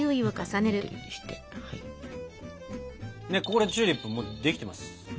ここでチューリップもうできてます。